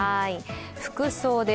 服装です。